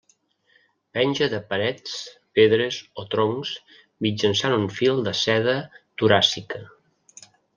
Penja de parets, pedres o troncs mitjançant un fil de seda toràcica.